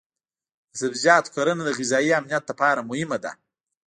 د سبزیجاتو کرنه د غذایي امنیت لپاره مهمه ده.